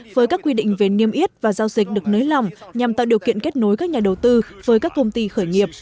với các quy định về niêm yết và giao dịch được nới lòng nhằm tạo điều kiện kết nối các nhà đầu tư với các công ty khởi nghiệp